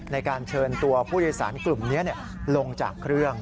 ในการเชิญตัวผู้โดยสารกลุ่มนี้ลงจากเครื่อง